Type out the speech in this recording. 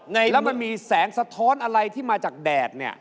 และมันมีแสงสะท้อนอะไรที่มาจากแดด